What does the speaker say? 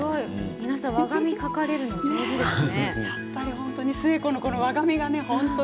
皆さん、和髪描かれるのが上手ですね。